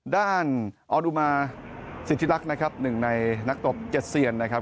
ด้านออดุมาสิทธิรักษ์นะครับหนึ่งในนักตบเจ็ดเซียนนะครับ